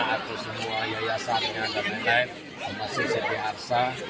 atau semua yayasan dan lain lain untuk masing masing ct arsa